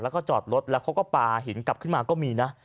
แล้วก็จอดรถแล้วเขาก็ปลาหินกลับขึ้นมาก็มีนะ